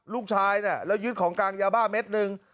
ลูกชายเนี่ยแล้วยึดของกลางยาบ้าเม็ดหนึ่ง